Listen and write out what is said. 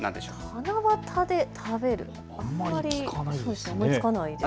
七夕で食べる、あんまり思いつかないですね。